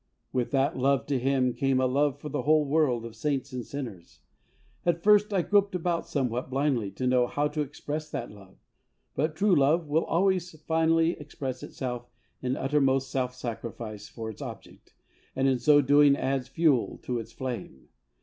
With that love to Him came a love for the whole world of saints and sinners. At first I groped about somewhat blindly to know how to express that love, but true love will always finally express itself in uttermost self sacrifice for its object, and in so doing adds fuel to its flame.